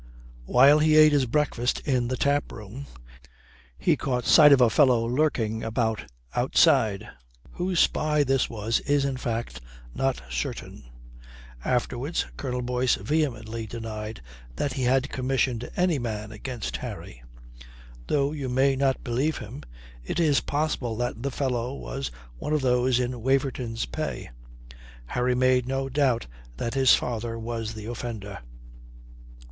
While he ate his breakfast in the taproom, he caught sight of a fellow lurking about outside. Whose spy this was is, in fact, not certain. Afterwards Colonel Boyce vehemently denied that he had commissioned any man against Harry. Though you may not believe him, it is possible that the fellow was one of those in Waverton's pay. Harry made no doubt that his father was the offender.